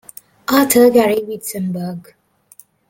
Author Gary Witzenburg.